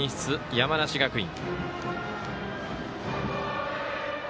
山梨学院。